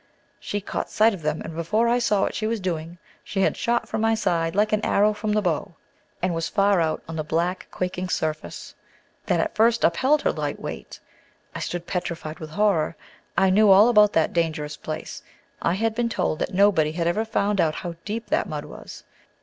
She caught sight of them, and before I saw what she was doing, she had shot from my side like an arrow from the bow, and was far out on the black, quaking surface, that at first upheld her light weight. I stood petrified with horror. I knew all about that dangerous place. I had been told that nobody had ever found out how deep that mud was.